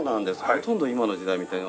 ほとんど今の時代みたい。